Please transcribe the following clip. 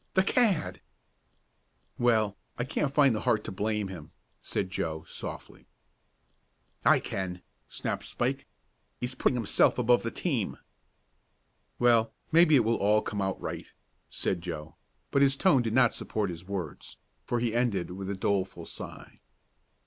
The cad!" "Well, I can't find the heart to blame him," said Joe, softly. "I can," snapped Spike. "He's putting himself above the team." "Well, maybe it will all come out right," said Joe, but his tone did not support his words, for he ended with a doleful sigh.